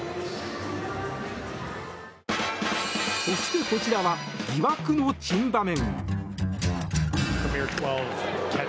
そして、こちらは疑惑の珍場面。